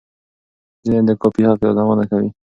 ځینې د کاپي حق یادونه کوي.